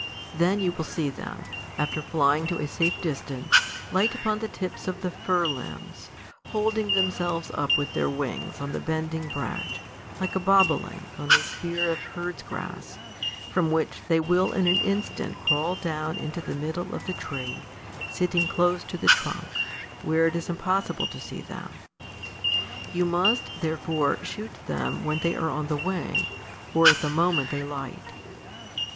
Then you will see them, after flying to a safe distance, light on the tips of the fir limbs, holding themselves up with their wings on the bending branch, like a bobolink on a spear of herds grass, from which they will in an instant crawl down into the middle of the tree, sitting close to the trunk, where it is impossible to see them. You must therefore shoot them when they are on the wing, or at the moment they light.